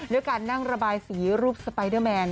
ด้วยการนั่งระบายสีรูปสไปเดอร์แมน